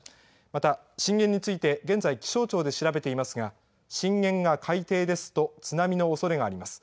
また、震源について、現在気象庁で調べていますが、震源が海底ですと、津波のおそれがあります。